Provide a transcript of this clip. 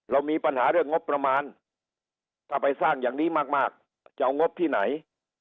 เรามีปัญหาเรื่องงบประมาณถ้าไปสร้างอย่างนี้มากจะเอางบที่ไหน